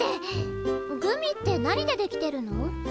グミって何で出来てるの？